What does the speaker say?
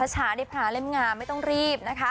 ช้าได้พระเล่มงามไม่ต้องรีบนะคะ